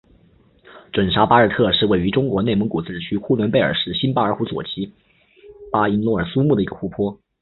准沙巴日特是位于中国内蒙古自治区呼伦贝尔市新巴尔虎左旗巴音诺尔苏木的一个湖泊。